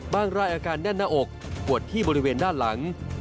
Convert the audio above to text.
รายอาการแน่นหน้าอกปวดที่บริเวณด้านหลัง